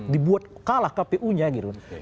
dibuat kalah kpu nya gitu loh